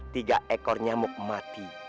tiga ekor nyamuk mati